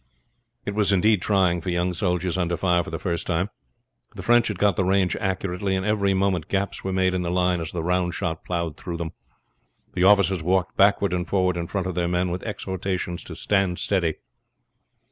It was indeed trying for young soldiers under fire for the first time. The French had got the range accurately, and every moment gaps were made in the line as the round shot plowed through them. The officers walked backward and forward in front of their men with exhortations to stand steady.